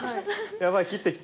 やばい切ってきた。